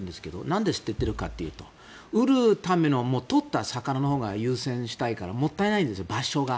なんで捨てているかというと売るための取った魚のほうを優先したいからもったいないんですね、場所が。